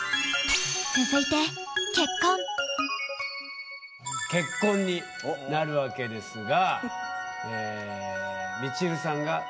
続いて結婚になるわけですが。